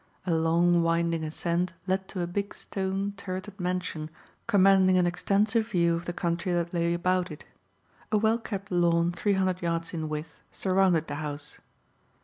A long winding ascent led to a big stone, turreted mansion commanding an extensive view of the country that lay about it. A well kept lawn three hundred yards in width surrounded the house.